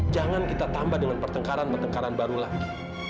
jangan kita tambah dengan pertengkaran pertengkaran baru lagi